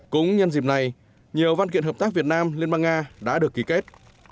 cũng nhân dịp này nhiều văn kiện hợp tác việt nam liên bang nga đã được ký kết